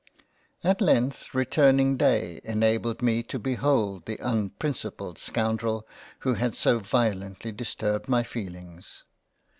At length, returning Day enabled me to behold the un principled Scoundrel who had so violently disturbed my feelings.